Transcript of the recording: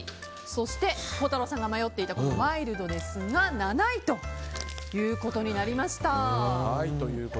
そして、孝太郎さんが迷っていたマイルドですが７位ということになりました。